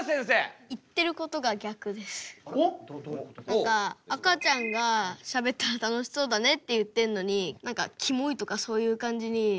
何か赤ちゃんがしゃべったら楽しそうだねって言ってんのに何かキモいとかそういう感じにツッコんでて。